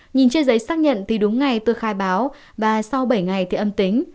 nhìn trên giấy xác nhận thì đúng ngày tôi khai báo và sau bảy ngày thì âm tính